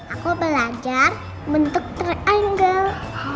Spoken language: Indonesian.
aku belajar bentuk triangle